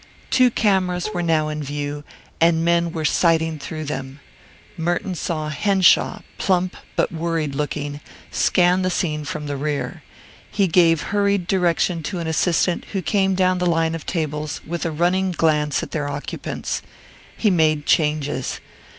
Two cameras were now in view, and men were sighting through them. Merton saw Henshaw, plump but worried looking, scan the scene from the rear. He gave hurried direction to an assistant who came down the line of tables with a running glance at their occupants. He made changes.